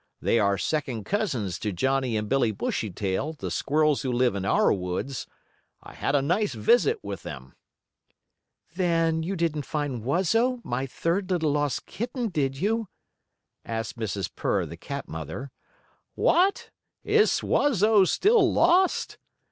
They are second cousins to Johnnie and Billie Bushytail, the squirrels who live in our woods. I had a nice visit with them." "Then you didn't find Wuzzo, my third little lost kitten, did you?" asked Mrs. Purr, the cat mother. "What! Is Wuzzo still lost?"